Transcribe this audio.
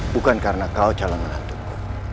bukan karena kau calon menantuku